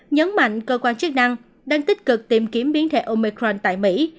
nhấn mạnh cơ quan chức năng đang tích cực tìm kiếm biến thể omecron tại mỹ